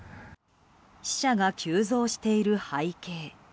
死者が急増している背景。